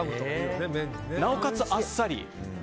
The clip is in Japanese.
なおかつ、あっさり。